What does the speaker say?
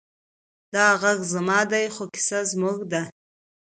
دا غږ زما دی، خو کیسه زموږ ده.